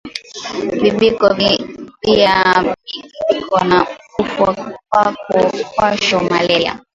Biviko bia mingi biko na kufwa kwasho malari